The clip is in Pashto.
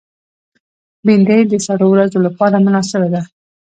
بېنډۍ د سړو ورځو لپاره مناسبه ده